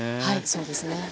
はいそうですね。